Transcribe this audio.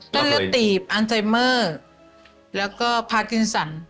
ตั้งแต่ตีบอัลไซเมอร์แล้วก็พารกินสัน